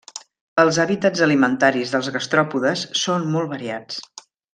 Els hàbitats alimentaris dels gastròpodes són molt variats.